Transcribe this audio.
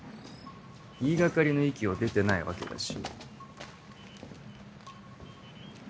言い掛かりの域を出てないわけだし。